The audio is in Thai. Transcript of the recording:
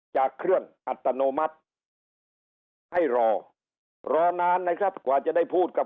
จากเครื่องอัตโนมัติให้รอรอนานนะครับกว่าจะได้พูดกับ